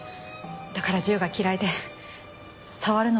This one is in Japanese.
だから銃が嫌いで触るのも嫌なほど。